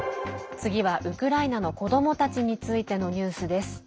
次はウクライナの子どもたちについてのニュースです。